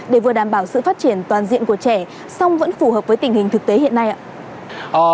để vừa đảm bảo sự phát triển toàn diện của trẻ song vẫn phù hợp với tình hình thực tế hiện nay ạ